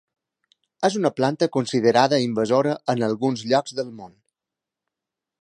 És una planta considerada invasora en alguns llocs del món.